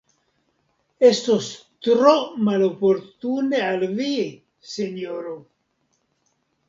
Estos tro maloportune al vi, sinjoro.